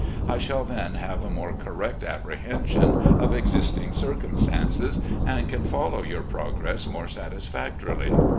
I shall then have a more correct apprehension of existing circumstances, and can follow your progress more satis factorily.